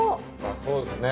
そうですね。